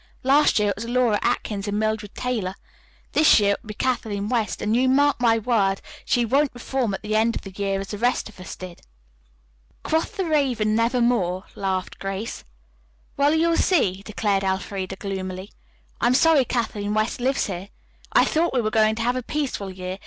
Last year it was Laura Atkins and Mildred Taylor. This year it will be Kathleen West, and you mark my word, she won't reform at the end of the year as the rest of us did." "'Quoth the raven, "nevermore",'" laughed Grace. "Well, you'll see," declared Elfreda gloomily. "I'm sorry Kathleen West lives here. I thought we were going to have a peaceful year.